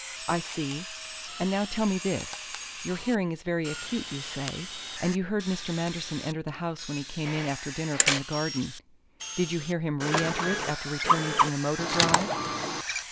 "I see. And now tell me this. Your hearing is very acute, you say, and you heard Mr. Manderson enter the house when he came in after dinner from the garden. Did you hear him re enter it after returning from the motor drive?"